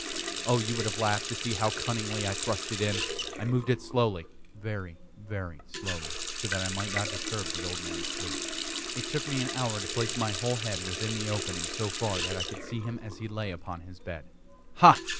Oh, you would have laughed to see how cunningly I thrust it in! I moved it slowly very, very slowly, so that I might not disturb the old man's sleep. It took me an hour to place my whole head within the opening so far that I could see him as he lay upon his bed. Ha!